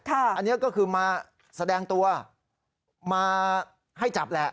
อันนี้ก็คือมาแสดงตัวมาให้จับแหละ